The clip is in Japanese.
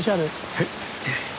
はい。